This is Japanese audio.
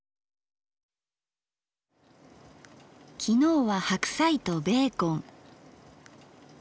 昨日は白菜とベーコン。